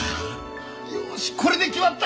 よしこれで決まった！